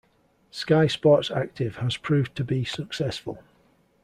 Sky Sports Active has proved to be successful.